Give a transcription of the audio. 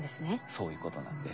そういうことなんです。